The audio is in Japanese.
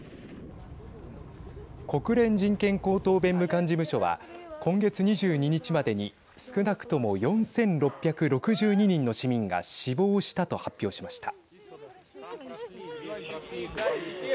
国連人権高等弁務官事務所は今月２２日までに少なくとも４６６２人の市民が死亡したと発表しました。